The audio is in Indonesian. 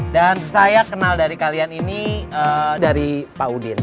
dan saya kenal dari kalian ini dari pak udin